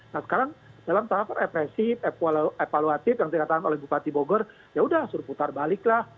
nah sekarang dalam tahap represif evaluatif yang dikatakan oleh bupati bogor ya sudah suruh putar baliklah